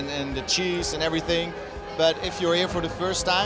tapi jika anda datang pertama kali itu sangat berubah